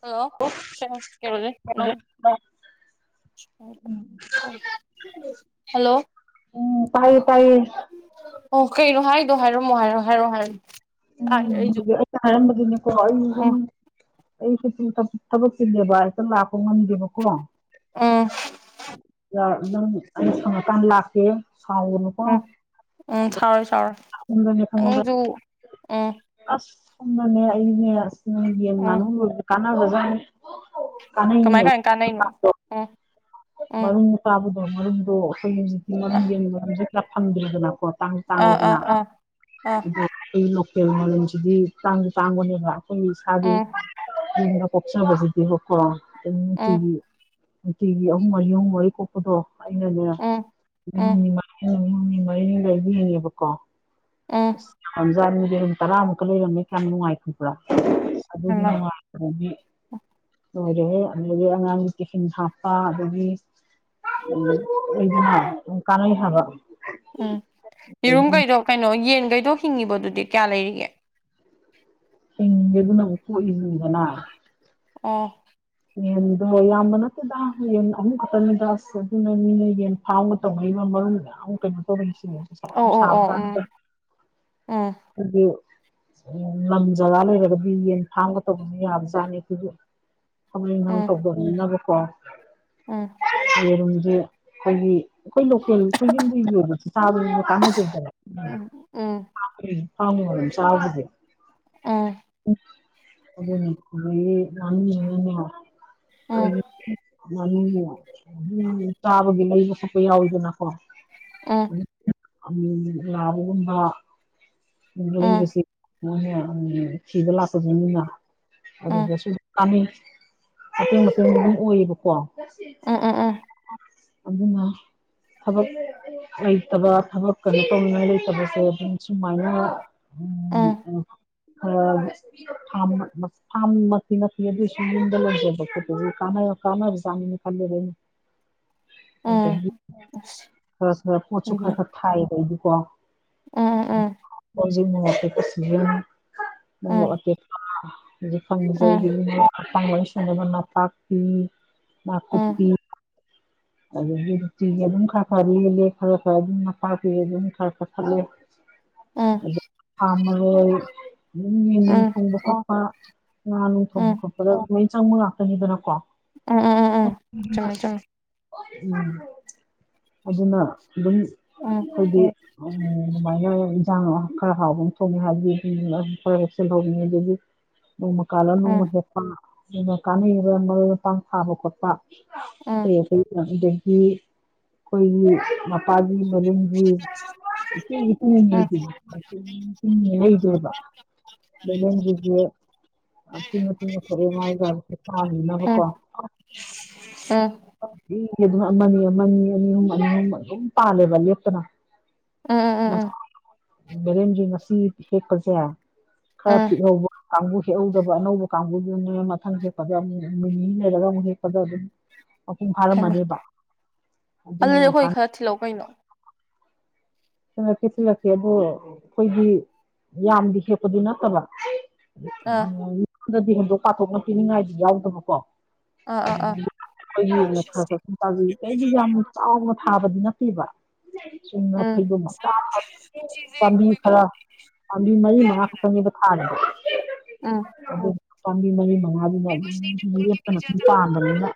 hello ꯆꯦ [unintelligible] ꯅꯪ [unintelligible] hello ꯎꯝ ꯇꯥꯏꯌꯦ ꯇꯥꯏꯌꯦ ꯑꯣ ꯀꯩꯅꯣ ꯍꯥꯏꯗꯣ ꯍꯥꯏꯔꯝꯃꯣ ꯍꯥꯏꯔꯣ ꯍꯥꯏꯔꯣ ꯍꯥꯏꯌꯣ ꯎꯝ ꯍꯨꯖꯤꯛ ꯑꯩꯅ ꯍꯥꯏꯔꯝꯕꯗꯨꯅꯦꯀꯣ ꯑꯩ ꯌꯨꯝ ꯎꯝ ꯑꯩ ꯁꯨꯇꯤ ꯊ ꯊꯕꯛ ꯆꯤꯜꯂꯦꯕ ꯍꯦꯇ ꯂꯥꯛꯄ ꯉꯝꯗꯦꯕꯀꯣ ꯎꯨꯝ ꯌꯥ ꯅꯪ ꯑꯩꯅ ꯁꯪꯉꯀꯥꯟꯗ ꯂꯥꯛꯀꯦ ꯁꯥꯎꯒꯅꯨꯀꯣ ꯎꯝ ꯎꯝ ꯁꯥꯎꯔꯣꯏ ꯁꯥꯎꯔꯣꯏ ꯌꯨꯝꯗꯅꯦ ꯈꯪꯉꯕ꯭ꯔꯥ ꯅꯪꯁꯨ ꯎꯝ ꯑꯥꯁ ꯁꯣꯝꯗꯅꯦ ꯑꯩꯗꯤꯅꯦ ꯅꯣꯏ ꯌꯦꯟ ꯎꯝ ꯉꯥꯅꯨ ꯂꯣꯏꯕ ꯀꯥꯟꯅꯒ꯭ꯔꯖꯥꯠꯅꯤ ꯀꯃꯥꯏ ꯀꯥꯃꯥꯏ ꯀꯥꯟꯅꯩꯅꯣ ꯑꯣ ꯃꯔꯨꯝ ꯆꯥꯕꯗꯣ ꯃꯔꯨꯝꯗꯣ ꯑꯈꯣꯏ ꯍꯨꯖꯤꯛꯇꯤ ꯑ ꯃꯔꯨꯝ ꯌꯦꯟꯒꯤ ꯃꯔꯨꯝꯖꯦ ꯈꯔ ꯐꯪꯗ꯭ꯔꯦꯗꯅꯀꯣ ꯇꯥꯡꯖꯨ ꯑꯥ ꯑꯥ ꯇꯥꯡꯉꯦꯗꯅꯥ ꯑꯥ ꯑꯥ [unintelligible] ꯂꯣꯀꯦꯜ ꯃꯔꯨꯝꯖꯤꯗꯤ ꯇꯥꯡꯖꯨ ꯇꯥꯡꯕꯅꯦꯕꯥ ꯈꯣꯏꯒꯤ ꯏꯁꯥꯒꯤ ꯎꯝ ꯌꯨꯝꯗ ꯀꯣꯛꯆꯕꯖꯤꯗꯤꯕꯀꯣ ꯑꯗꯨꯝ ꯎꯝ ꯅꯨꯡꯇꯤꯒꯤ ꯅꯨꯡꯇꯤꯒꯤ ꯑꯍꯨꯝ ꯃꯔꯤ ꯑꯍꯨꯝ ꯃꯔꯤ ꯀꯣꯛꯄꯗꯣ ꯑꯩꯅꯅꯦ ꯎꯝ ꯎꯝ ꯅꯨ [unintelligible] [unintelligible] ꯎꯝ ꯐꯪꯖꯥꯅꯤ ꯌꯦꯔꯨꯝ ꯇꯔꯥꯃꯨꯛꯀ ꯂꯩꯔꯝꯃꯦ ꯀꯌꯥꯝ ꯅꯨꯡꯉꯥꯏ ꯈꯪꯕ꯭ꯔꯥ ꯑꯗꯨꯒꯤ ꯍꯩꯃꯥ ꯅꯨꯡꯉꯥꯏ ꯑꯗꯒꯤ ꯂꯣꯏꯔꯦꯍꯦ ꯑꯗꯨꯗꯒꯤ ꯑꯉꯥꯡꯒꯤ ꯇꯤꯐꯤꯟ ꯍꯥꯞꯄ ꯑꯗꯒꯤ [unintelligible] ꯀꯥꯟꯅꯩ ꯍꯥꯏꯕ ꯎꯝ ꯑꯗꯒꯤ ꯌꯦꯔꯨꯝꯒꯩꯗꯣ ꯀꯩꯅꯣ ꯌꯦꯟꯒꯩꯗꯣ ꯍꯤꯡꯉꯤꯕꯣ ꯑꯗꯨꯗꯤ ꯀꯌꯥ ꯂꯩꯔꯤꯒꯦ ꯍꯤꯡꯉꯤ ꯑꯗꯨꯅꯕꯨ ꯀꯣꯛꯏꯖꯤꯅꯤꯗꯅꯥ ꯑꯣ ꯌꯦꯟꯗꯣ ꯌꯥꯝꯕ ꯅꯠꯇꯦꯗꯥ ꯌꯦꯟ ꯑꯍꯨꯝ ꯈꯠꯇꯪꯅꯤꯗꯥ ꯑꯁ ꯑꯗꯨꯅ ꯃꯤꯅ ꯌꯦꯟ ꯐꯥꯝꯒ ꯇꯧꯅꯩꯕ ꯃꯔꯨꯝ ꯌꯥꯝ ꯀꯩꯅꯣ ꯇꯧꯔꯝꯃꯤꯁꯤꯅꯤ ꯄꯩꯁꯥ ꯑꯣ ꯌꯥꯝ ꯑꯣ ꯑꯣ ꯎꯝ ꯁꯥꯕꯖꯥꯠꯅꯤꯗꯥ ꯎꯝ [unintelligible] ꯎꯝ ꯂꯝ ꯖꯒꯥ ꯂꯩꯔꯒꯗꯤ ꯌꯦꯟ ꯐꯥꯝꯒ ꯇꯧꯕꯖꯦ ꯌꯥꯕꯖꯥꯠꯅꯤ ꯑꯈꯣꯏꯖꯨ ꯊꯕꯛ ꯏꯪꯒꯥꯡ ꯎꯝ ꯇꯧꯗꯕꯅꯤꯅꯕꯀꯣ ꯎꯝ ꯇꯠꯂꯦ ꯌꯦꯔꯨꯝꯖꯦ ꯈꯣꯏꯒꯤ ꯑꯈꯣꯏ ꯂꯣꯀꯦꯜ ꯈꯣꯏ ꯌꯨꯝꯗ [unintelligible] ꯆꯥꯕꯖꯨ ꯀꯥꯟꯅꯖꯩꯗꯅꯥ ꯎꯝ ꯎꯝ ꯎꯝ ꯐꯥꯝꯒꯤ ꯃꯔꯨꯝ ꯆꯥꯕꯕꯨꯗꯤ ꯎꯝ ꯎꯝ ꯑꯗꯨꯅꯤ ꯑꯗꯒꯤ ꯉꯥꯅꯨꯖꯤꯅꯅꯦ ꯎꯝ ꯎꯝ [unintelligible] ꯉꯅꯨꯖꯦ ꯗꯨꯝ ꯆꯥꯕꯒꯤ ꯂꯩꯕ ꯈꯣꯠꯄ ꯌꯥꯎꯋꯤꯗꯅꯀꯣ ꯎꯝ ꯑꯃꯨꯃꯨꯛ ꯂꯥꯎꯕꯒꯨꯝꯕ ꯎꯝ [unintelligible] ꯃꯣꯏ [unintelligible] ꯊꯤꯕ ꯂꯥꯛꯄꯖꯤꯡꯗꯨꯅ ꯑꯗꯨꯗꯁꯨ ꯀꯥꯅꯩ ꯑꯗꯨ ꯃꯇꯨꯡꯗ ꯑꯗꯨꯝ ꯎꯏꯕꯀꯣ ꯎꯝ ꯎꯝ ꯎꯝ [unintelligible] ꯑꯗꯨꯅ ꯊꯕꯛ ꯂꯩꯇꯕ ꯊꯕꯛ ꯀꯅꫭ ꯇꯧꯅꯤꯡꯉꯥꯏ ꯂꯩꯇꯕꯁꯦ ꯑꯗꯨꯝ ꯁꯨꯝꯃꯥꯏꯅ ꯍꯩꯃ [unintelligible] ꯑ ꯐꯥꯝ ꯐꯥꯝꯃꯛꯇꯤ ꯅꯠꯇꯦ ꯑꯗꯨꯏ ꯌꯨꯝꯗ [unintelligible] ꯈꯣꯠꯄꯖꯦ ꯀꯥꯟꯅ ꯀꯥꯟꯅꯕꯖꯥꯠꯅꯤꯅ ꯈꯜꯂꯦꯕ ꯑꯩꯅ ꯑꯗꯒꯤ ꯈꯔ ꯈꯔ ꯄꯣꯠꯁꯨ ꯈꯔ ꯈꯔ ꯊꯥꯏꯌꯦꯕ ꯑꯩꯗꯤꯀꯣ ꯍꯧꯖꯤꯛ ꯃꯣꯔꯣꯛ ꯑꯇꯦꯛꯄ ꯁꯤꯖꯟꯅꯤ ꯃꯣꯔꯣꯛ ꯑꯇꯦꯛꯄ ꯍꯧꯖꯤꯛ ꯐꯪꯉꯤꯖꯦ ꯑꯩꯒꯤ [unintelligible] ꯁꯥꯟꯅꯩꯕ ꯅꯄꯥꯛꯄꯤ ꯅꯥꯀꯨꯞꯄꯤ ꯑꯗꯒꯤ ꯅꯨꯡꯇꯤꯒꯤ ꯑꯗꯨꯝ ꯈꯔ ꯈꯔ [unintelligible] ꯈꯔ ꯈꯔ ꯑꯗꯨꯝ ꯅꯄꯥꯛꯄꯤ ꯑꯗꯨꯝ ꯈꯔ ꯈꯔ ꯊꯠꯂꯦ [inaudible] ꯑꯗꯩ ꯁꯥ ꯃꯔꯣꯏ [unintelligible] ꯃꯤꯅꯨ ꯊꯣꯡꯕ ꯆꯥꯛꯀ ꯉꯥ ꯅꯨ ꯊꯣꯡꯕ ꯈꯣꯠꯄꯗ ꯂꯣꯏ ꯆꯪꯕ ꯉꯥꯛꯇꯅꯤꯗꯅꯀꯣ ꯎꯝ ꯎꯝ ꯎꯝ ꯎꯝ ꯆꯨꯝꯃꯦ ꯆꯨꯝꯃꯦ ꯎꯝ ꯑꯗꯨꯅ ꯑꯗꯨꯝ ꯎꯝ ꯑꯩꯗꯤ ꯎꯝ ꯑꯗꯨꯃꯥꯏꯅ ꯏꯟꯖꯥꯡ ꯈꯔ ꯍꯥꯎꯕ ꯑꯃ ꯊꯣꯡꯉꯦ ꯍꯥꯏꯔꯗꯤ [unintelligible] ꯈꯔ ꯍꯦꯛꯁꯜꯍꯧꯔꯤ [unintelligible] ꯑꯗꯨꯒꯤ ꯅꯣꯡꯃ ꯀꯥꯜꯂ ꯅꯣꯡꯃ ꯍꯦꯛꯄ ꯌꯥꯝꯅ ꯀꯥꯟꯅꯩꯕ ꯃꯔꯣꯏ ꯃꯄꯥꯡ ꯊꯥꯕ ꯈꯣꯠꯄ ꯎꯝ ꯑꯗꯨꯗꯒꯤ ꯑꯩꯈꯣꯏꯒꯤ ꯃꯄꯥꯒꯤ ꯃꯅꯤꯡꯒꯤ [unintelligible] [unintelligible] ꯂꯩꯗꯦꯕ ꯕꯦꯂꯦꯟꯗ꯭ꯔꯤꯗꯤ ꯑꯆꯤꯡ ꯑꯆꯤꯡꯕ ꯊꫭꯛꯑꯦ ꯃꯥꯏꯗ ꯇꯥꯅꯤꯡꯅꯕꯀꫭ [unintelligible] [unintelligible] ꯑꯗꯨꯝ ꯑꯃꯅꯤ ꯑꯃꯅꯤ ꯑꯅꯤ ꯑꯍꯨꯝ ꯑꯅꯤ ꯑꯍꯨꯝ ꯑꯗꯨꯝ ꯄꯥꯜꯂꯦꯕ ꯂꯦꯞꯇꯅ [unintelligible] ꯕꯦꯂꯦꯟꯗ꯭ꯔꯤ ꯉꯁꯤ ꯍꯦꯛꯄꯖꯦ ꯈꯔ ꯄꯤꯛꯍꯧꯕ ꯀꯥꯡꯒꯨ ꯍꯦꯛꯍꯧꯗꯕ ꯑꯅꯧꯕ ꯀꯥꯡꯕꯨꯗꯨꯅꯦ ꯃꯊꯪ ꯍꯦꯛꯄꯗ ꯑꯃꯨꯛ ꯅꯨꯃꯤꯠ ꯅꯤꯅꯤ ꯂꯩꯔꯒ ꯑꯃꯨꯛ ꯍꯦꯛ ꯄꯗ ꯑꯗꯨꯝ ꯃꯄꯨꯡ ꯍꯥꯏꯃ ꯐꯥꯔꯝꯃꯅꯦꯕ ꯑꯗꯨꯅꯦ ꯑꯗꯨꯗꯤ ꯌꯥꯝ ꯑꯈꯣꯏ ꯀꯥꯟꯅ ꯈꯔ ꯊꯤꯜꯂꯎ ꯀꯩꯅꯣ ꯊꯤꯜꯂꯛꯀꯦ ꯊꯤꯜꯂꯛꯀꯦ ꯑꯗꯣ ꯑꯈꯣꯏꯗꯤ ꯌꯥꯝꯗꯤ ꯍꯦꯛꯄꯗꯤ ꯅꯠꯇꯕ [unintelligible] ꯑ ꯍꯟꯗꯛꯇꯤ ꯍꯦꯟꯇꫭꯛ ꯄꯥꯊꯣꯛꯅ ꯄꯤꯅꯤꯡꯉꯥꯏꯗꯤ ꯌꯥꯎꯗꯕꯀꯣ ꯑꯥ ꯑꯥ ꯑꯥ ꯑꯈꫭꯏꯒꯤ [unintelligible] ꯆꯥꯎꯅ ꯊꯥꯕꯗꯤ ꯅꯠꯇꯦꯕ [unintelligible] [unintelligible] ꯎꯝ ꯐꯩꯗꯣꯝ ꯃꯆꯥ ꯄꯥꯝꯕꯤ ꯈꯔ ꯄꯥꯝꯕꯤ ꯃꯔꯤ ꯃꯉꯥ ꯈꯛꯇꯪꯅꯦꯕ ꯊꯥꯔꯤꯖꯦ ꯎꯝ [unintelligible] ꯑꯗꯨ ꯄꯥꯝꯕꯤ ꯃꯔꯤ ꯃꯉꯥ ꯗꯨꯅ‌ ꯑꯗꯨꯝ ꯂꯦꯞꯇꯅ ꯁꯨꯝ ꯄꯥꯟꯕꯅꯤꯅ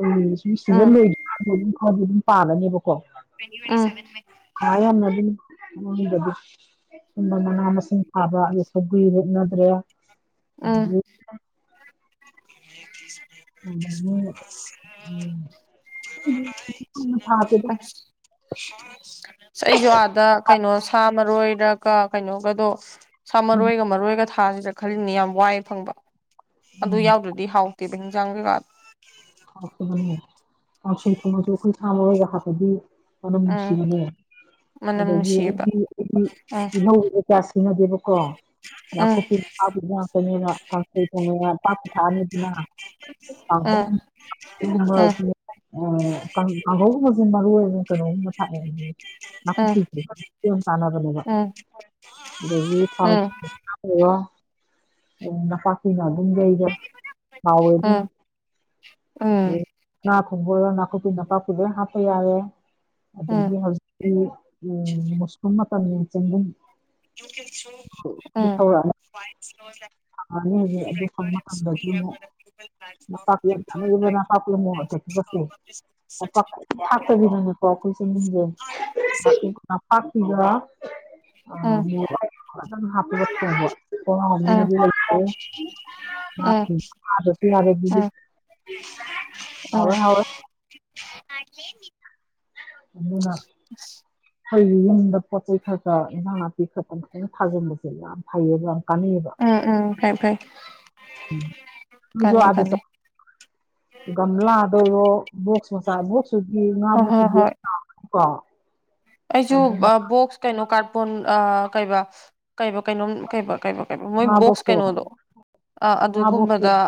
ꯑꯩ ꯁꯨꯝ ꯁꯤꯖꯟ ꯎꯝ ꯂꯣꯏ ꯑꯗꯨ ꯑꯗꯨꯝ ꯈꯔꯗꯤ ꯗꯨꯝ ꯄꯥꯜꯂꯅꯦꯕꯀꯣ [unintelligible] ꯎꯝ ꯍꯥꯏꯔꯝꯃꯗꯤ ꯑꯩꯉꫭꯟꯗꯗꯤ ꯁꯨꯝꯕ ꯃꯅꯥ ꯃꯁꯤꯡ ꯊꯥꯕ [unintelligible] ꯁꯧꯒꯔꯤ ꯍꯦꯛꯅꯗ꯭ꯔꯦ ꯑꯥ ꯑꯗꯒꯤ [unintelligible] ꯊꯥꯗꯦꯗ ꯑꯩꯖꯨ ꯑꯥꯗ ꯀꯩꯅꯣ ꯁꯥ ꯃꯔꯣꯏꯔꯒ ꯀꯩꯅꯣꯒꯗꯣ ꯁꯥ ꯎꯝ ꯃꯔꯣꯏꯒ ꯃꯔꯣꯏꯒ ꯊꯥꯖꯤꯔ ꯈꯜꯂꯤꯅꯦ ꯌꯥꯝ ꯋꯥꯏ ꯐꯪꯕ ꯑꯗꯨ ꯎꯝ ꯌꯥꯎꯗ꯭ꯔꯗꯤ ꯍꯥꯎꯇꯦꯕ ꯍꯤꯟꯖꯥꯡ ꯀꯩꯀꯥꯗꯣ ꯍꯥꯎꯇꯕꯅꯦ ꯀꯥꯡꯁꯣꯏ ꯊꯣꯡꯉꯖꯨ ꯑꯈꯣꯏ ꯁꯥꯃꯔꯣꯏꯒ ꯍꯥꯄꯗꯤ ꯃꯅꯝ ꯎꯝ ꯅꯨꯡꯁꯤꯕꯅꯦ ꯃꯅꯝ ꯑꯗꯒꯤ ꯅꯨꯡꯁꯤꯌꯦꯕ ꯑꯩꯗꯤ ꯑꯩꯗꯤ ꯎꯝ ꯇꯤꯜꯍꯧꯖꯦ ꯀꯌꯥ ꯁꯤꯟꯅꯗꯦꯕꯀꯣ ꯎꯝ ꯅꯥꯀꯨꯞꯄꯤ ꯄꯥꯛꯄꯤꯖꯦ ꯉꯥꯛꯇꯅꯦꯕ ꯀꯥꯡꯁꯣꯢ ꯊꯣꯡꯉꯦ ꯅꯥꯄꯥꯛꯄꯤ ꯊꯥꯛꯑꯅꯤꯗꯅ ꯀꯥꯡꯍꯧ [unintelligible] ꯑꯥ ꯀꯥꯡ ꯀꯥꯡꯍꯧꯒꯨꯝꯕꯁꯦ ꯃꯔꯣꯏ ꯀꯩꯅꯣꯒꯨꯝꯕ ꯊꯥꯛꯑꯦ ꯑꯩꯗꯤ ꯅꯥꯀꯨꯞꯄꯤꯗꯨꯗꯤ [unintelligible] ꯆꯥꯅꯕꯅꯦꯕ ꯑꯗꯒꯤ ꯊꯥꯎ [unintelligible] ꯅꯄꯥꯛꯄꯤꯅ ꯑꯗꯨꯝ ꯌꯩꯔꯦ ꯍꯥꯎꯋꯦ ꯑꯗꯨꯅ ꯎꯝ ꯉꯥ ꯊꯣꯡꯕ ꯑꯣꯢꯔꯣ ꯅꯥꯀꯨꯞꯄꯤ ꯅꯄꯥꯛꯄꯤ ꯂꯣꯏ ꯍꯥꯞꯄ ꯌꯥꯔꯦ ꯑꯗꯒꯤ ꯍꯧꯖꯤꯛ ꯀꯤ ꯎꯝ ꯃꯨꯁꯔꯨꯝ ꯃꯇꯝꯅꯤꯅ ꯆꯦꯡꯒꯨꯝ [unintelligible] ꯑꯗꯨ ꯑꯥ ꯊꯧꯔꯛꯑꯅꯤ [unintelligible] [unintelligible] [inaudible] ꯅꯥꯄꯥꯛꯄꯤ [unintelligible] ꯃꯣꯔꯣꯛ ꯑꯇꯦꯛꯄꯒꯁꯦ ꯅꯥꯄꯥꯛꯄꯤ ꯑꯗꯨꯝ ꯊꯥꯛꯇꯣꯏꯅꯦꯕ ꯍꯟꯗꯛ [unintelligible] ꯅꯥꯄꯥꯛꯄꯤꯒ [unintelligible] ꯎꯝ [unintelligible] ꯌꯥꯔꯦ ꯑꯗꯨꯗꯤ ꯎꯝ ꯍꯥꯎꯔꯦ ꯍꯥꯎꯔꯦ [unintelligible] ꯑꯗꯨꯅ ꯑꯈꯣꯢꯒꯤ ꯌꯨꯝꯗ ꯄꯣꯠꯆꯩ ꯈꯔ ꯈꯔ ꯏꯟꯖꯥꯡ ꯅꯥꯄꯤ ꯈꯔ ꯈꯔ ꯐꯖꯅ ꯊꯥꯖꯤꯟꯕꯖꯦ ꯌꯥꯝ ꯐꯩꯌꯦꯕ ꯌꯥꯝ ꯀꯥꯟꯅꯩꯑꯦꯕ ꯎꯝ ꯎꯝ ꯐꯩ ꯐꯩ ꯅꯣꯏꯁꯨ ꯀꯥꯅꯩ ꯑꯥꯗ ꯀꯥꯅꯩ ꯆꯠ ꯒꯝꯂꯥꯗ ꯑꯣꯏꯔꯣ ꯕꯣꯛꯁ ꯃꯆꯥ ꯕꯣꯛꯁꯇꯨꯗꯤ ꯉꯥ ꯍꯣꯏ ꯕꯣꯛꯁ ꯍꯣꯏ ꯍꯣꯏ [unintelligible] ꯀꯣ ꯑꯩꯁꯨ ꯑꯗꯨꯅ ꯑ ꯕꯣꯛꯁ ꯀꯩꯅꯣ ꯀꯥꯔꯄꯣꯟ ꯑꯥ ꯀꯩꯕꯥ ꯀꯩꯕ ꯀꯩꯅꯣꯝ ꯀꯩꯕ ꯀꯩꯕ ꯀꯩꯕ ꯃꯣꯏ ꯉꯥ ꯕꯣꯛꯁ ꯕꯣꯛꯁꯇꯣ ꯀꯩꯅꯣꯗꯣ ꯑꯥ ꯉꯥ ꯑꯗꯨꯒꯨꯝꯕꯗ ꯕꯣꯛꯁꯇꯣ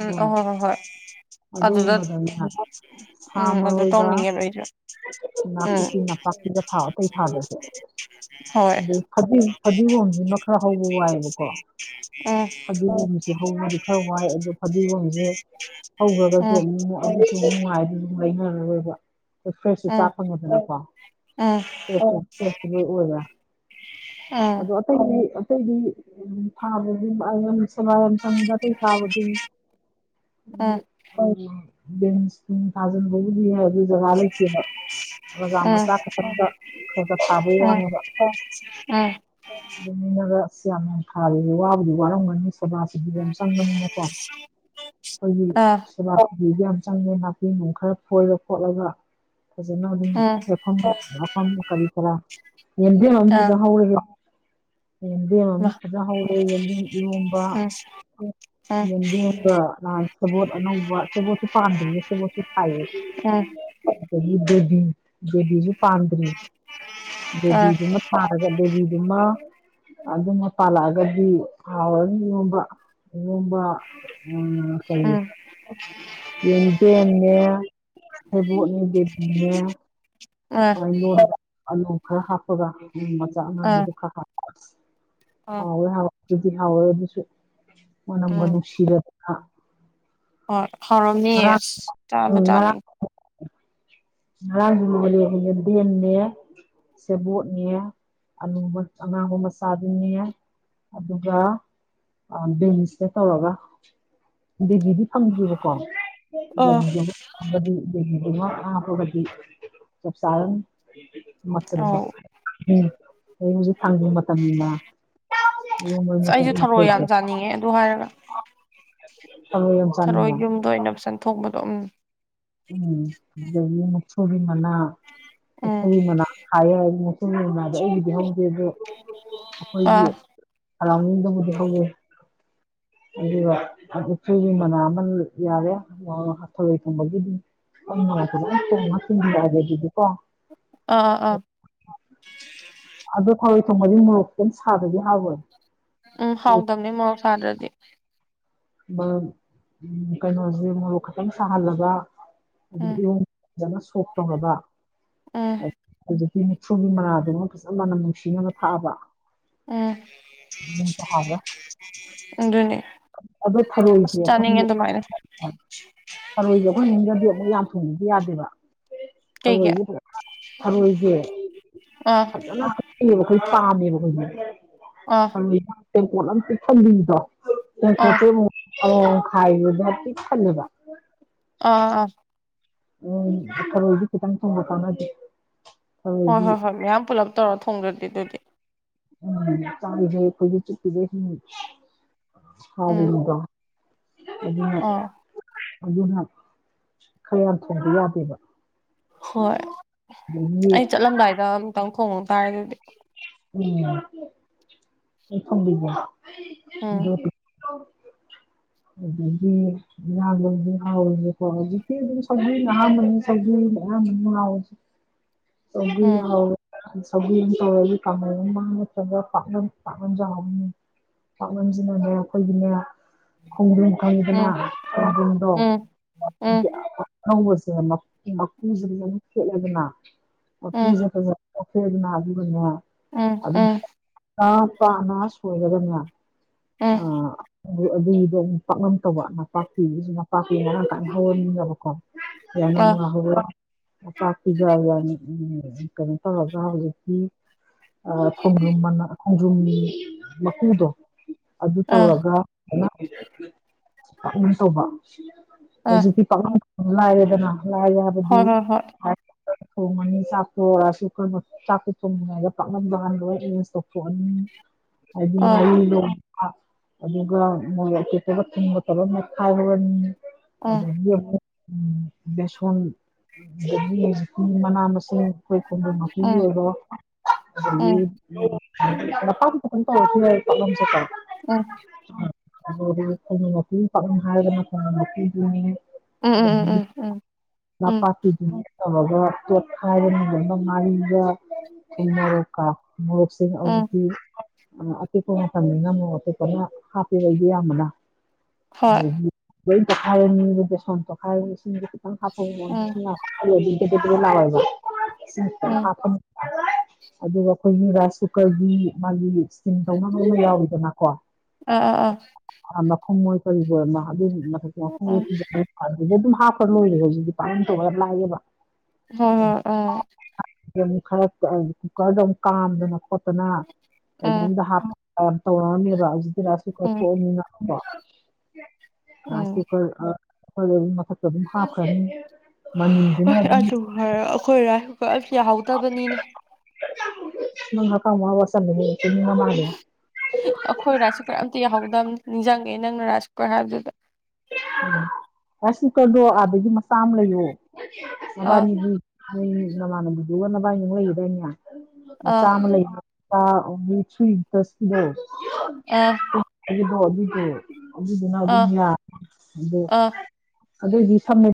ꯎꯝ ꯑꯣ ꯑꯥ ꯍꯣꯏ ꯍꯣꯏ ꯍꯣꯏ ꯑꯗꯨꯗ ꯑꯗꯨꯒꯨꯝꯕꯗꯅꯦ ꯁꯥ ꯎꯝ ꯑꯗꯨ ꯃꯔꯣꯏꯒ ꯇꯧꯅꯤꯡꯉꯦ ꯅꯣꯢꯗ ꯅꯥꯀꯨꯞꯄꯤ ꯅꯥꯄꯥꯛ ꯄꯤꯒ ꯊꯥꯎ ꯑꯇꯩ ꯊꯥꯗ꯭ꯔꯁꯨ ꯍꯣꯏ ꯑꯗꯨ ꯐꯗꯤ ꯐꯗꯤꯒꯣꯝꯖꯤꯃ ꯈꯔ ꯍꯧꯕ ꯋꯥꯏꯌꯦꯕꯀꯣ ꯎꯝ ꯐꯗꯤꯒꯣꯝꯖꯦ ꯍꯧꯕꯗꯤ ꯈꯔ ꯋꯥꯏ ꯑꯗꯣ ꯐꯗꯤꯒꯣꯝꯖꯦ ꯍꯧꯒ꯭ꯔꯒꯖꯨ ꯎꯝ ꯑꯃꯨꯛ [unintelligible] ꯅꯨꯡꯉꯥꯏꯗꯣꯢꯅꯤ ꯂꯩꯅꯔꯔꯣꯏꯕ ꯗ ꯐ꯭ꯔꯦꯁꯁꯨ ꯆꯥ ꯐꯪꯉꯦꯗꯅꯀꯣ ꯎꯝ ꯎꯝ ꯐ꯭ꯔꯦꯁ ꯐ꯭ꯔꯦꯁꯁꯨꯨ ꯂꯣꯏ ꯑꯣꯏꯔꯦ ꯑꯥ ꯑꯗꯣ ꯑꯇꯩꯗꯤ ꯑꯇꯩꯗꯤ ꯊꯥꯕꯒꯤ [unintelligible] ꯆꯪꯉꯤꯗ ꯑꯇꯩꯗꯤ ꯎꯝ ꯎꯝ [unintelligible] ꯕꯤꯟꯁ ꯅꯨꯡ ꯊꯥꯖꯤꯟꯕꯒꯤꯗꯤ [unintelligible] ꯃꯤ ꯖꯒꯥ ꯂꯩ ꯑꯣꯖꯥ ꯃꯆꯥ ꯈꯛꯇꯪꯗ ꯈꯒ ꯊꯥꯕ ꯎꯝ ꯋꯥꯅꯦꯕ ꯎꯝ ꯎꯝ ꯃꯤꯅꯒ ꯌꯥꯝ ꯌꯥꯝ ꯊꯥꯕꯖꯤ ꯋꯥꯕꯨꯗꯤ ꯋꯥꯔꯝꯒꯅꯤ ꯁꯣꯕꯥ ꯁꯦ ꯕꯤ ꯌꯥꯝ ꯆꯪꯕꯅꯤꯅꯀꯣ ꯑꯈꯣꯏꯗꯤ ꯑꯥ ꯁꯦꯕꯥꯥ ꯁꯦꯕꯤꯗꯤ ꯌꯥꯝ ꯆꯪꯉꯦ ꯅꯥꯄꯤ ꯅꯨꯡ ꯈꯔ ꯐꯣꯏꯔ ꯈꯣꯠꯂꯒ ꯐꯖꯅ ꯑꯗꯨꯝ ꯎꯝ ꯍꯦꯛꯐꯝ ꯃꯐꯝ ꯀꯔꯤ ꯀꯔꯥ ꯌꯦꯟꯗꯦꯝ ꯑꯃ ꯑꯥ ꯐꯖ ꯍꯧꯔꯦꯍꯦ ꯌꯦꯟꯗꯦꯝ ꯑꯃꯨꯛ ꯐꯖ ꯍꯧꯔꯦ ꯌꯦꯟꯗꯦꯝ ꯏꯔꯣꯝꯕ ꯎꯝ ꯎꯝ ꯌꯦꯟꯗꯦꯝꯒ ꯑ ꯁꯦꯕꯣꯠ ꯑꯅꯧꯕ ꯁꯦꯕꯣꯠꯁꯨ ꯄꯥꯟꯗ꯭ꯔꯤꯌꯦ ꯁꯦꯕꯣꯠꯁꯨ ꯊꯥꯏꯌꯦ ꯎꯝ ꯎꯝ ꯎꯝ ꯑꯗꯒꯤ ꯕꯦꯕꯤ ꯕꯦꯕꯤꯖꯨ ꯄꯥꯟꯗ꯭ꯔꯤ ꯕꯦꯕꯤꯗꯨꯃ [unintelligible] ꯗꯦꯕꯤ ꯗꯨꯃ ꯑꯗꯨꯃ ꯄꯥꯜꯂꯛꯑꯒꯗꯤ ꯍꯥꯎꯔꯅꯤ ꯏꯔꯣꯝꯕ ꯏꯔꯣꯝꯕ ꯑ ꯀꯔꯤ ꯌꯦꯟꯗꯦꯝꯅꯦ ꯁꯦꯕꯣꯠꯅꯦ ꯗꯦꯕꯤꯅꯦ ꯑꯥ [unintelligible] ꯑꯂꯨ ꯈꯔ ꯍꯥꯞꯄꯒ ꯃꯆꯥ ꯎꯝ ꯎꯝ ꯑꯉꯥꯡꯕꯗꫭ ꯈꯔ ꯍꯥꯞꯄꯒ ꯎꯝ ꯍꯥꯎꯋꯦ ꯍꯥꯎꯋꯦ ꯑꯗꯨꯗꯤ ꯍꯥꯎꯋꯦ ꯑꯗꯨꯁꯨ ꯃꯅꯝꯒ ꯎꯝ ꯅꯨꯡꯁꯤꯔꯒ ꯍꯣꯏ ꯍꯥꯎꯔꯝꯅꯤꯌꯦ ꯉꯔꯥꯡ ꯑꯁ ꯆꯥꯕꯨ ꯆꯥꯅꯤꯡ ꯉꯔꯥꯡꯖꯨ ꯂꫭꯟꯂꯦ ꯌꯦꯟꯗꯦꯝꯅꯦ ꯁꯦꯕꯣꯠꯅꯦ ꯑꯂꯨ ꯃ ꯑꯉꯥꯡꯕ ꯃꯆꯥꯗꯨꯅꯦ ꯑꯗꯨꯒ ꯑ ꯕꯤꯟꯁꯅꯦ ꯇꯧꯔꯒ ꯗꯦꯕꯤꯗꯤ ꯐꯪꯗ꯭ꯔꯤꯀꯣ [unintelligible] ꯑ ꯗꯦꯕꯤꯗꯨꯝꯃ ꯇꯧꯔꯒꯗꯤ ꯗꯦꯕꯤꯗꯨꯝꯃ [unintelligible] [unintelligible] ꯆꯞ ꯆꯥꯔꯅꯤ ꯃꯆꯜꯗꫭ ꯑꯧ ꯎꯝ ꯍꯧꯖꯤꯛ ꯊꯥꯡꯖꯤꯡ ꯃꯇꯝꯅꯤꯅ ꯑꯁ ꯑꯩꯁꯨ ꯊꯔꯣꯏ [unintelligible] [unintelligible] ꯑꯗꯨ ꯍꯥꯏꯔꯒ [unintelligible] ꯊꯔꫭꯏ ꯌꯥꯝ ꯊꯔꯣꯏ ꯆꯥꯅꯤꯡꯉꯦ ꯌꯨꯝꯗ ꯑꯣꯏꯅ ꯐꯖꯟ ꯊꯣꯡꯕꯗꯣ ꯎꯝ ꯎꯝ ꯑꯗꯒꯤ ꯃꯨꯛꯊ꯭ꯔꯨꯕꯤ ꯃꯅꯥ ꯎꯝ ꯃꯨꯛꯊ꯭ꯔꯨꯕꯤ ꯃꯅꯥ [unintelligible] ꯃꯨꯛꯊ꯭ꯔꯨꯕꯤ ꯃꯅꯥꯗꯤ ꯑꯩꯒꯤꯗꯤ ꯍꯧꯗꯦ ꯑꯗꯨ ꯑꯈꯣꯏꯒꯤ ꯑꯥ ꯁꯔꯥꯎꯟꯗꯤꯡꯗꯕꯨꯗꯤ ꯍꯧꯋꯦ ꯑꯗꯨꯒ [unintelligible] ꯃꯨꯛꯊ꯭ꯔꯨꯕꯤ ꯃꯅꯥ ꯑꯃ ꯌꯥꯔꯦ [unintelligible] ꯊꯔꫭꯏ ꯊꯣꯡꯕꯒꯤꯗꯤ [unintelligible] ꯑꯗꯨꯗꯤ ꯀꯣ ꯑꯥ ꯑ ꯑ ꯑꯗꯣ ꯊꯔꯣꯏ ꯊꯣꯡꯕꯗꯤ ꯃꯣꯔꯣꯛ ꯈꯤꯇꯪ ꯁꯥꯗ꯭ꯔꯗꯤ ꯍꯥꯎꯔꫭꯏ ꯎꯝ ꯍꯥꯎꯇꯝꯅꯦ ꯃꫭꯔꯣꯛ ꯁꯥꯗ꯭ꯔꯗꯤ [unintelligible] ꯀꯩꯅꯣꯖꯦ ꯃꯣꯔꯣꯛ ꯈꯛꯇꯪ ꯁꯥꯍꯜꯂꯒ ꯎꯝ ꯑꯗꯩ [unintelligible] ꯐꯖꯅ ꯁꯣꯛ ꯇꯧꯔꯕ ꯎꯝ ꯍꯧꯖꯤꯛꯀꯤ ꯃꯨꯛꯊ꯭ꯔꯨꯕꯤ ꯃꯅꯥꯗꯨꯃ ꯐꯖ ꯃꯅꯝ ꯅꯨꯡꯁꯤꯅꯕ ꯊꯥꯛꯑꯕ ꯎꯝ ꯑꯗꯨꯁꯨ ꯍꯥꯎꯔꯦ [unintelligible] ꯑꯗꯨꯅꯦ ꯑꯗꯨ ꯑꯁ ꯊꯔꯣꯏꯗꯤ ꯆꯥꯅꯤꯡꯉꯦ ꯑꯈꫭꯏꯒꯤ ꯑꯗꯨꯃꯥꯏꯅ ꯊꯔꯣꯏꯗꯤ ꯑꯈꯣꯏ ꯏꯃꯨꯡꯗꯗꯤ ꯑꯃꯨꯛ ꯌꯥꯝ ꯊꯣꯡꯕꯗꯤ ꯌꯥꯗꯦꯕ ꯀꯩꯒꯤ ꯑꯥ ꯊꯔꯣꯏꯖꯦ [unintelligible] ꯊꯔꯣꯏꯖꯦ ꯐꯖꯅ [unintelligible] ꯄꯥꯝꯃꯦꯕ ꯑꯈꯣꯏꯗꯤ ꯑ [unintelligible] ꯇꯦꯡꯀꯣꯠ ꯑꯝ ꯄꯤꯛ ꯊꯟꯕꯤꯗꯣ [unintelligible] ꯈꯥꯏꯕꯗ ꯄꯤꯛ ꯊꯜꯂꯦꯕ ꯑ ꯑ ꯑ ꯎꯝ ꯊꯔꯣꯏꯗꯤ ꯈꯤꯇꯪ ꯊꯣꯡꯕ ꯀꯥꯟꯅꯗꯦ ꯍꯣꯏ ꯊꯔꯣꯏꯗꯤ ꯍꯣꯏ ꯍꯣꯏ ꯃꯌꯥꯝ ꯄꯨꯂꯞ ꯇꯧꯔ ꯊꯣꯡꯗ꯭ꯔꯗꯤ ꯑꯗꯨꯗꯤ ꯎꯝ [unintelligible] ꯎꯝ ꯍꯥꯎꯕꯤꯅꯤꯗꫭ ꯑꯗꯨꯅ ꯑꯥ ꯑꯗꯨꯅ ꯈꯔ ꯌꯥꯝ ꯊꯣꯡꯗ ꯌꯥꯗꯦꯕ ꯍꯣꯏ ꯑꯗꯒꯤ ꯑꯩ ꯆꯠꯂꯝꯗꯥꯏꯗ ꯑꯃꯨꯛꯇꯪ ꯈꯣꯡꯉꯨꯇꯥꯥꯔꯦ ꯑꯗꯨꯗꯤ ꯎꯝ ꯑꯩ ꯊꯝꯕꯤꯕ ꯎꯝ [unintelligible] ꯑꯗꯒꯤ [unintelligible] ꯍꯧꯖꯤꯛꯇꯤ ꯑꯗꯨꯝ ꯁꯧꯒ꯭ꯔꯤꯅ ꯑꯍꯟꯕꯅꯤ ꯁꯧꯒ꯭ꯔꯤꯅ [unintelligible] ꯁꯧꯒ꯭ꯔꯤ ꯎꯝ ꯍꯥꯎꯏ ꯁꯧꯒ꯭ꯔꯤ [unintelligible] ꯀꯥꯡꯍꯧ [unintelligible] ꯄꯥꯛ ꯄꯥꯛꯅꯝꯁꯨ ꯍꯥꯎ ꯅꯤ ꯄꯥꯛꯅꯝꯖꯤꯅꯅꯦ ꯑꯩꯈꯣꯏꯒꯤꯅꯦ ꯈꯣꯡꯗ꯭ꯔꯨꯝ ꯎꯝ ꯈꯪꯏꯗꯅ ꯈꯣꯡꯗ꯭ꯔꯨꯝꯗꯣ ꯎꯝ ꯎꯝ ꯑꯧꯕꯁꯦ ꯃꯛ ꯃꯀꯨꯁꯦ ꯂꯣꯏꯟ ꯈꯦꯠꯂꯦꯗꯅ ꯃꯀꯨꯁꯦ ꯎꯝ ꯐꯖꯅ ꯇꯈ꯭ꯔꯦꯗꯅ ꯑꯗꯨꯒꯅꯦ ꯎꯝ ꯑꯗꯨ ꯎꯝ ꯉꯥ ꯄꯥꯅ ꯁꯣꯏꯔꯒꯅꯦ ꯍꯦ ꯑꯥ ꯑꯗꯨ ꯑꯗꯨꯒꯤꯗꯣ ꯄꯥꯛ ꯉꯝ ꯇꯧꯕ ꯅꯄꯥꯛꯄꯤꯒꯤꯁꯨ ꯅꯄꯥꯛꯄꯤ ꯃꯔꯥꯡ ꯀꯥꯏꯅ ꯍꯧꯔꯅꯤꯡꯅꯕꯀꯣ ꯌꯥꯅ ꯑꯥ ꯉꯅ ꯍꯧꯕ ꯅꯄꯥꯛꯄꯤꯗ ꯌꯥꯝ ꯀꯩꯅꯣ ꯇꯧꯔꯒ ꯍꯧꯖꯤꯛꯇꯤ ꯑꯥ ꯈꯣꯡꯗ꯭ꯔꯨꯝ ꯃꯅꯥ ꯈꯣꯡꯖ꯭ꯔꯨꯝꯒꯤ ꯃꯀꯨꯗꯣ ꯑꯗꯨ ꯑꯥ ꯇꯧꯔꯒ ꯍ ꯩꯃꯥ ꯀꯥꯏꯅ ꯇꯧꯕ ꯑꯥ ꯍꯧꯖꯤꯛꯀꯤ ꯄꯛꯅꯝ ꯂꯥꯏꯔꯦꯗꯅꯥ ꯂꯥꯏꯔꯦ ꯍꯥꯏꯕꯗꯤ ꯍꯣꯏ ꯍꯣꯏ ꯍꯣꯏ ꯍꯥ ꯐ ꯊꯣꯡꯉꯅꯤ ꯆꯥꯛꯇꯣ ꯔꯥꯏꯁ ꯀꯨꯀꯔ ꯆꯥꯛꯇꯣ ꯊꯣꯡꯗꯤꯉꯥꯏꯗ ꯄꯥꯛꯅꯝꯗꯣ ꯍꯥꯟꯅ ꯂꯣꯏ ꯑꯦꯔꯦꯟꯁ ꯇꯧꯊꯣꯛꯑꯅꯤ ꯍꯥꯏꯗꯤ ꯑꯥ ꯉꯥꯔꯤꯗꯣ ꯑꯥ ꯑꯗꯨꯒ ꯃꯣꯔꯣꯛꯇꯨꯗꯒ ꯊꯨꯝꯒ ꯇꯧꯔ ꯃꯦꯠꯈꯥꯏꯍꯧꯔꯅꯤ ꯑꯗꯒꯤ ꯑꯃꯨꯛ ꯕꯦꯁꯣꯟ ꯊꯤꯠꯄꯤ [unintelligible] ꯒꯤ ꯃꯅꯥ ꯃꯁꯤꯡ ꯈꯣꯏ ꯈꯣꯡꯗꯨꯝ ꯃꯀꯨꯒꯤ ꯑꯥ ꯑꯣꯏꯔꯣ ꯎꯝ ꯑꯗꯒꯤ [unintelligible] ꯃꯁꯥꯗꯤ ꯀꯩꯁꯨꯝ ꯇꯧꯔꯛꯈꯤꯔꯣꯏ ꯄꯛꯅꯝꯁꯦꯀꯣ ꯑ [unintelligible] ꯑꯗꯨꯝ ꯎꯝ ꯎꯝ ꯎꯝ ꯎꯝ ꯎꯝ ꯎꯝ ꯅꯥꯄꯥꯛꯄꯤꯗꯨꯅ ꯇꯧꯔꯒ ꯇꯣꯠꯈꯥꯏꯔꯅꯤ ꯂꯣꯏꯃꯛ ꯉꯥꯔꯤꯒ ꯊꯨꯝ ꯃꯣꯔꯣꯛꯀ ꯃꯣꯔꯣꯛꯁꯤꯡ ꯎꯝ ꯍꯧꯖꯤꯛꯇꯤ ꯑ ꯑꯄꯤꯛꯄ ꯃꯇꯝꯅꯤꯅ ꯃꯣꯔꯣꯛ ꯇꯣꯞꯄꯅ ꯍꯥꯞꯄꯤꯕ ꯑꯩꯗꯤ ꯑꯌꯥꯝꯕꯅ ꯍꯣꯏ ꯑꯗꯒꯤ ꯂꯣꯏꯟ ꯇꯣꯈꯥꯏꯔꯅꯤ ꯗꯨ ꯕꯦꯁꯣꯟ ꯇꯣꯈꯥꯏꯔ ꯏꯁꯤꯡ ꯗꯨ ꯈꯤꯇꯪ ꯎꯝ ꯍꯥꯐꯧꯕꯁꯤꯅꯥ [unintelligible] ꯕꯦꯗꯣ ꯕꯦꯗꯣ ꯂꯥꯎꯌꯦꯕ ꯏꯁꯤꯡ ꯈꯤꯇꯪ ꯎꯝ ꯍꯥꯞꯐ [unintelligible] ꯑꯗꯨꯒ ꯑꯈꯣꯏꯒꯤ ꯔꯥꯏꯁ ꯀꯨꯀꯔꯒꯤ ꯃꯥꯒꯤ ꯏꯁꯇꯤꯝ ꯇꯧꯅꯕ ꯑꯃ ꯌꯥꯎꯋꯤꯗꯅꯥ ꯑ ꯑ ꯑꯥ ꯑꯥ ꯃꯈꯨꯝꯑꯣꯏ ꯀꯔꯤꯕꯣꯏ ꯃꯥ ꯑꯗꯨꯏ ꯃꯊꯛꯇ ꯃꯈꯨꯝꯗꯣ ꯎꯝ ꯀꯤꯖꯥꯅꯤ ꯑꯗꯨꯗ ꯑꯗꯨꯝ ꯍꯥꯞꯈ꯭ꯔ ꯂꯣꯏꯔꯦ ꯍꯧꯖꯤꯛꯇꯤ ꯄꯥꯛꯅꯝ ꯇꯧꯕ ꯌꯥꯝ ꯂꯥꯏꯑꯦꯕꯥ ꯍ ꯑꯣ ꯗꯩ ꯑꯃꯨꯛ ꯈꯔ ꯑ ꯀꯨꯀꯔꯗ ꯑꯃꯨꯛ ꯀꯥꯝꯗꯅ ꯈꯣꯠꯇꯅ ꯑꯥ ꯀꯩꯅꯣꯝꯗ ꯍꯥꯞꯄ ꯇꯧꯔ ꯄꯥꯝꯃꯦꯕꯥ ꯍꯧꯖꯤꯛꯇꯤ ꯔꯥꯏꯁ ꯀꯨꯀꯔ ꯎꯝ ꯊꯣꯛꯑꯝꯅꯤꯅꯀꯣ ꯔꯥꯏꯁ ꯎꯝ ꯀꯨꯀꯔ ꯑ ꯈꯣꯏꯗꯒꯤ ꯃꯊꯛꯇ ꯑꯗꯨꯝ ꯍꯥꯞꯈ꯭ꯔꯅꯤ ꯍꯣꯏ ꯃꯅꯤꯟꯗꯨꯅ ꯑꯗꯨꯝ ꯑꯗꯨ ꯍꯥꯏꯔ ꯑꯩꯈꯣꯏ ꯔꯥꯏꯁ ꯀꯨꯀꯔ ꯑꯁ ꯌꯥꯍꯧꯗꯕꯅꯤꯅꯦ ꯅꯪ ꯍꯀꯥꯝ ꯋꯥ ꯋꯥ ꯆꯜꯂꯦꯍꯦ ꯇꯨꯝꯅꯤꯡꯕ ꯃꯥꯜꯂꯦ ꯑꯈꯣꯏ ꯔꯥꯏꯁ ꯀꯨꯀꯔ ꯑꯝꯇ ꯌꯥꯍꯧꯗꯝꯅꯦ ꯅꯤꯡꯖꯪꯉꯦ ꯅꯪꯅ ꯔꯥꯏꯁ ꯀꯨꯀꯔ ꯍꯥꯏꯕꯗꯨꯗ ꯎꯝ ꯔꯥꯏꯁ ꯀꯨꯀꯔꯗꯣ ꯑꯥꯗꯒꯤ ꯃꯆꯥ ꯑꯝ ꯂꯩꯌꯣ ꯑꯥ ꯅꯕꯥꯅꯤꯒꯤ ꯅꯣꯏ ꯃꯤ ꯅꯃꯥꯟꯅꯕꯤꯗꯨꯒ ꯅꯕꯥꯏꯟꯅꯤ ꯃꯨꯛ ꯂꯩꯒꯤꯗꯥꯏꯅꯦ ꯑꯥ ꯃꯆꯥ ꯑꯃ ꯂꯩꯅ ꯄꯥ ꯑꯣꯡꯂꯤ ꯊ꯭ꯔꯤ ꯂꯤꯇꯔꯁꯒꯤꯗꯣ ꯑꯥ [unintelligible] ꯒꯤꯗꯣ ꯑꯗꯨꯏꯗꯣ ꯑꯗꯨꯗꯨꯅ ꯑꯥ ꯑꯗꯨꯝ ꯌꯥ ꯑꯗꯣ ꯑꯥ ꯑꯗꯨꯏꯗꯤ ꯁꯝꯃꯦ